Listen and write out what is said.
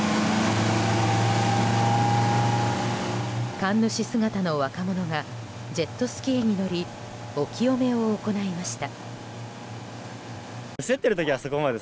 神主姿の若者がジェットスキーに乗りお清めを行いました。